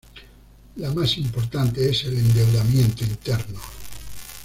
La más importante es el endeudamiento interno.